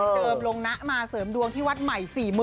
ไปเติมลงหน้ามาเสริมดวงที่วัดใหม่๔๐๐๐๐